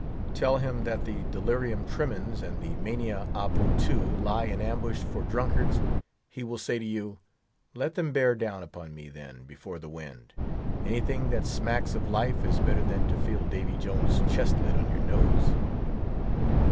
Tell him that the delirium tremens and the mania a potu lie in ambush for drunkards, he will say to you, "Let them bear down upon me, then, before the wind; anything that smacks of life is better than to feel Davy Jones's chest lid on your nose."